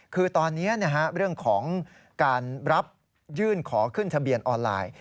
คือตอนนี้เรื่องของการรับยื่นขอขึ้นทะเบียนออนไลน์